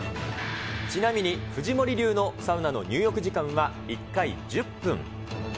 ちなみに藤森流のサウナの入浴時間は１回１０分。